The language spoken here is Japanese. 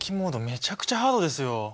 めちゃくちゃハードですよ。